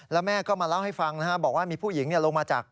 แล้วแม่ก็มาเล่าให้ฟังนะครับบอกว่ามีผู้หญิงลงมาจาก